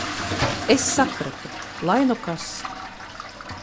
Es sapratu - lai nu kas.